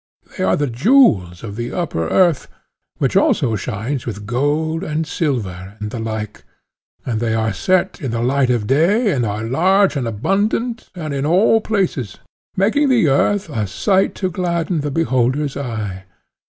They are the jewels of the upper earth, which also shines with gold and silver and the like, and they are set in the light of day and are large and abundant and in all places, making the earth a sight to gladden the beholder's eye.